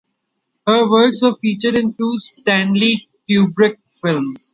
Her works were featured in two Stanley Kubrick films.